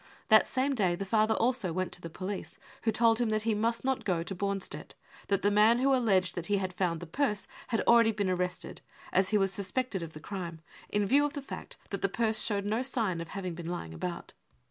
That same day the father also went to the police, who told him that he must not gp to Bornstedt, that the man who alleged lihat "'he had found the purse had already been arrested, as he was suspected of the crime, in view of the fact that the purse showed no sign of having been lying about.